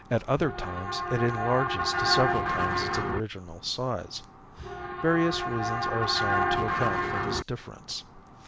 At other times it enlarges to several times its original size. Various reasons are assigned to account for this difference.